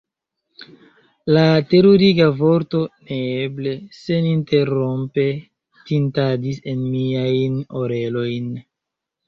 La teruriga vorto "neeble!" seninterrompe tintadis en miajn orelojn.